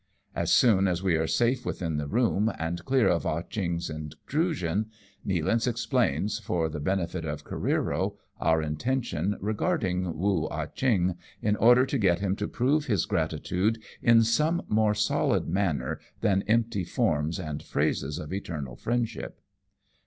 As soon as we are safe within the room, and clear of Ah Cheong's intrusion, Nealance explains, for the benefit of Careero, our intentions regarding Woo Ah Cheong, in order to get him to prove his gratitude in some more solid manner than empty forms and phrases of eternal friendship.